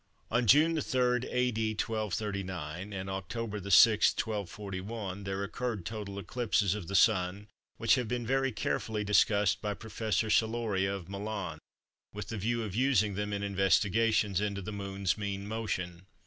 On June 3, A.D. 1239, and October 6, 1241, there occurred total eclipses of the Sun, which have been very carefully discussed by Professor Celoria of Milan, with the view of using them in investigations into the Moon's mean motion.